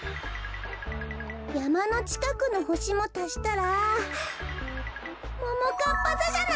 やまのちかくのほしもたしたらももかっぱざじゃない？